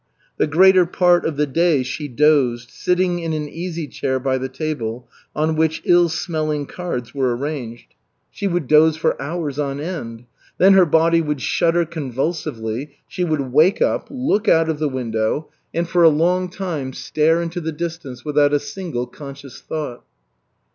The greater part of the day she dozed, sitting in an easy chair by the table, on which ill smelling cards were arranged. She would doze for hours on end. Then her body would shudder convulsively, she would wake up, look out of the window, and for a long time stare into the distance, without a single conscious thought.